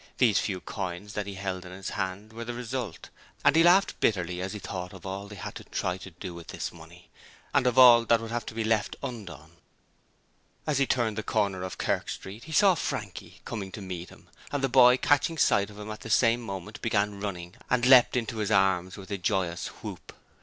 These few coins that he held in his hand were the result, and he laughed bitterly as he thought of all they had to try to do with this money, and of all that would have to be left undone. As he turned the corner of Kerk Street he saw Frankie coming to meet him, and the boy catching sight of him at the same moment began running and leapt into his arms with a joyous whoop.